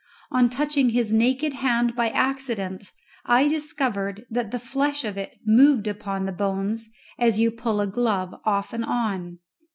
On touching his naked hand by accident I discovered that the flesh of it moved upon the bones as you pull a glove off and on.